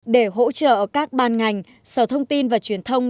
để hỗ trợ các ban ngành sở thông tin và truyền thông